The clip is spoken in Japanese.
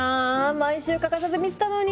毎週欠かさず見てたのに。